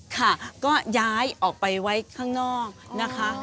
ค่ะก็ย้ายออกไปไว้ข้างนอกนะคะ